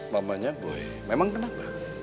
mamanya boy memang kenapa